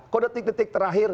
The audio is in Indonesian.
kok detik detik terakhir